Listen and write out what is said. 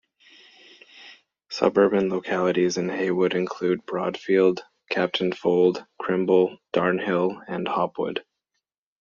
Suburban localities in Heywood include Broadfield, Captain Fold, Crimble, Darnhill and Hopwood.